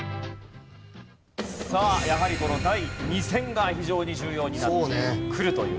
さあやはりこの第２戦が非常に重要になってくるというところ。